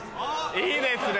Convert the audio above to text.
いいですね。